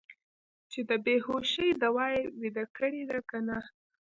چې د بې هوشۍ دوا یې ویده کړي دي که نه.